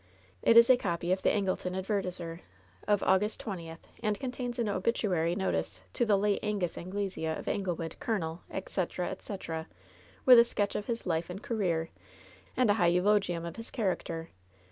It is a copy of the Angleton Advertiser, of August 20th, and contains an obituary notice to the ^ate Angus Anglesea, of Aiiglewood, colonel,' etc., etc., with a sketch of his life and career, and a high eulogium of his character.